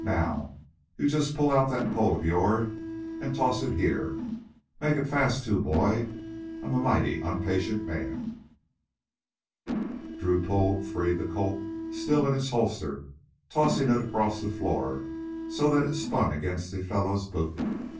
Now, you jus' pull out that Colt o' yourn an' toss it here. Make it fast, too, boy. I'm a mighty unpatient man " Drew pulled free the Colt still in its holster, tossing it across the floor so that it spun against the fellow's boot.